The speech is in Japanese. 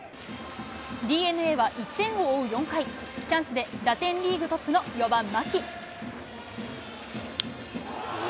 ＤｅＮＡは１点を追う４回、チャンスで打点リーグトップの４番牧。